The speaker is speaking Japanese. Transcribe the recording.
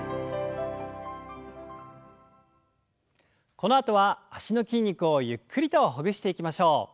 このあとは脚の筋肉をゆっくりとほぐしていきましょう。